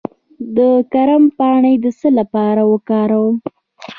د کرم پاڼې د څه لپاره وکاروم؟